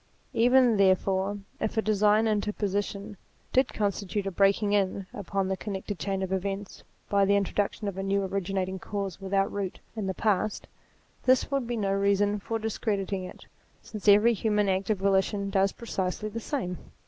Even, therefore, if a divine interposition did constitute a breaking in upon the connected chain of events, by the introduc tion of a new originating cause without root in the past, this would be no reason for discrediting it, since every human act of volition does precisely the same.